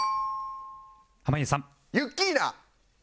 濱家さん